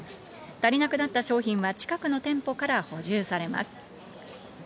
足りなくなった商品は、近くの店舗から補充されます。